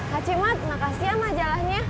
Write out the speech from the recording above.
kak cemat makasih ya majalahnya